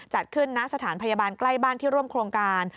จัดขึ้นณสถานพยาบาลใกล้บ้านที่ร่วมโครงการ